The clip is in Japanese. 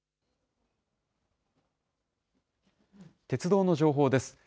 鉄道の情報です。